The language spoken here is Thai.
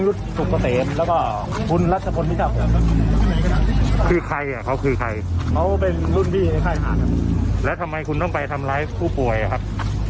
อยากขอโทษทุกคนกับเหตุการณ์ที่เกิดขึ้นนะครับ